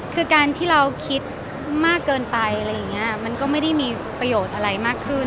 คือการที่เราคิดมากเกินไปอะไรอย่างนี้มันก็ไม่ได้มีประโยชน์อะไรมากขึ้น